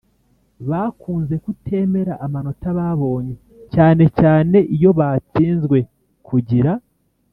bakunze kutemera amanota babonye cyanecyane iyo batsinzwe. kugira